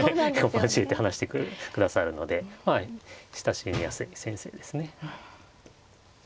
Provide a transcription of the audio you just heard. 交えて話してくださるのでまあ親しみやすい先生ですね。